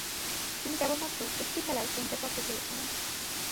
তিনি কেবলমাত্র একটি খেলায় কেন্টের পক্ষে খেলেছিলেন।